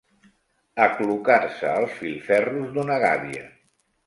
Aclucar-se els filferros d'una gàbia.